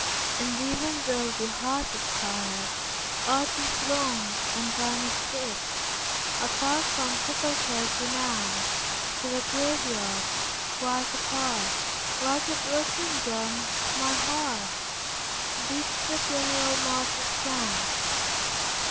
And even though the heart aspired, Art is long and Time is swift. Afar from sepulchres renowned, To a graveyard, quite apart, Like a broken drum, my heart, Beats the funeral marches' sound.